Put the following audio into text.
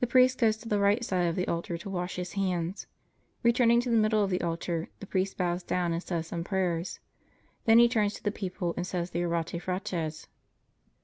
The priest goes to the right side of the altar to wash his hands. Returning to the middle of the altar, the priest bows down and says some prayers. Then he turns to the people and says the Orate Fratres.